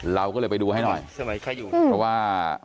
เราก็เลยไปดูให้หน่อยเพราะว่า